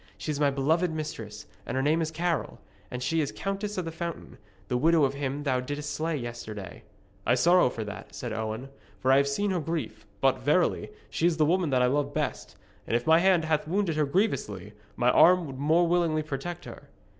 She is my beloved mistress, and her name is Carol, and she is Countess of the Fountain, the widow of him thou didst slay yesterday.' 'I sorrow for that,' said Owen, 'for I have seen her grief. But, verily, she is the woman that I love best. And if my hand hath wounded her grievously, my arm would more willingly protect her.'